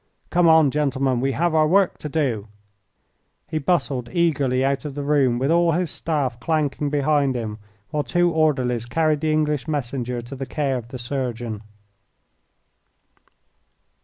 Come on, gentlemen, we have our work to do!" He bustled eagerly out of the room with all his staff clanking behind him, while two orderlies carried the English messenger to the care of the surgeon.